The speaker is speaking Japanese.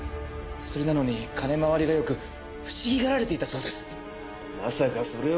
それなのに金回りがよく不思議がられていたそうです。